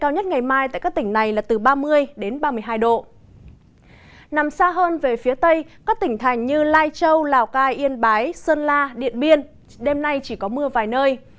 nằm xa hơn về phía tây các tỉnh thành như lai châu lào cai yên bái sơn la điện biên đêm nay chỉ có mưa vài nơi